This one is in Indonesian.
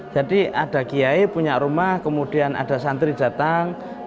jadi ada kiai punya rumah kemudian ada santri datang